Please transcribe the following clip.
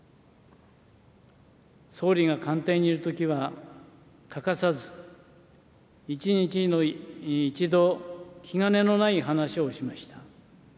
総理が官邸にいるときは、欠かさず、１日に１度、気兼ねのない話をしました。